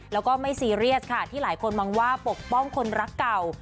แล้วก็ไม่ซีเรียสค่ะที่หลายคนมองว่าปกป้องคนรักเก่า